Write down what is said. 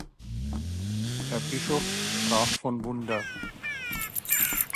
Der Bischof sprach von Wunder.